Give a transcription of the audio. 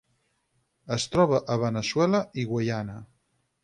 Es troba a Veneçuela i Guaiana.